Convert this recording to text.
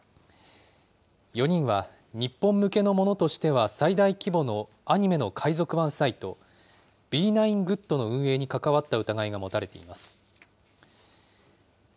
４人は日本向けのものしては最大規模のアニメの海賊版サイト、Ｂ９ＧＯＯＤの運営に関わった疑いが持たれています。